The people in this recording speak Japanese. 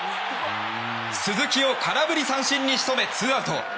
鈴木を空振り三振に仕留めツーアウト。